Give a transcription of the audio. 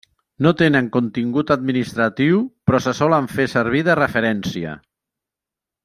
No tenen contingut administratiu però se solen fer servir de referència.